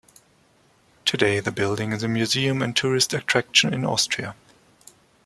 Today, the building is a museum and tourist attraction in Austria.